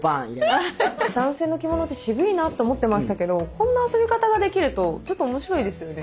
男性の着物って渋いなと思ってましたけどこんな遊び方ができるとちょっと面白いですよね。